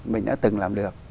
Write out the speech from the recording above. mình đã từng làm được